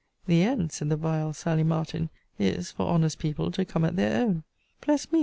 The end, said the vile Sally Martin, is, for honest people to come at their own. Bless me!